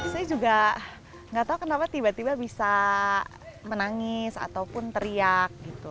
saya juga nggak tahu kenapa tiba tiba bisa menangis ataupun teriak gitu